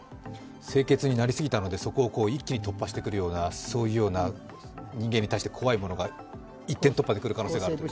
清潔になりすぎたので、そこを一気に突破してくるような、そういう人間に対して怖いものが一点突破でくる可能性があると。